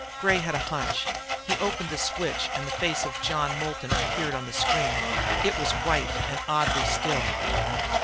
Gray had a hunch. He opened the switch, and the face of John Moulton appeared on the screen. It was white and oddly still.